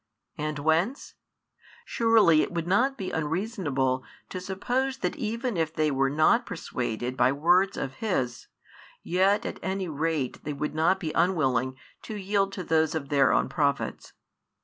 And whence? Surely it would not be unreasonable to suppose that even if they were not persuaded by words of His, yet at any rate they would not be unwilling to yield to those of their own Prophets.